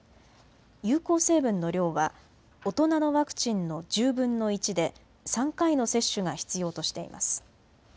有効成分の量は大人のワクチンの１０分の１で３回の接種が必要としています。